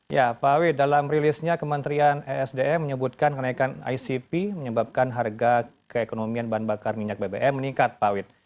ya pak wid dalam rilisnya kementerian esdm menyebutkan kenaikan icp menyebabkan harga keekonomian bahan bakar minyak bbm meningkat pak wid